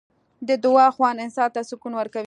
د دعا خوند انسان ته سکون ورکوي.